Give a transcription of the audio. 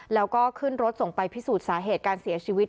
แล้วก็ขึ้นรถส่งไปพิสูจน์สาเหตุการเสียชีวิต